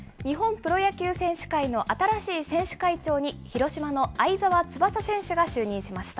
プロ野球選手会の新しい選手会長に、広島の會澤翼選手が就任しました。